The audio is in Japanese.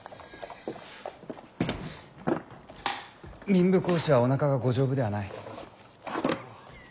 民部公子はおなかがご丈夫ではない。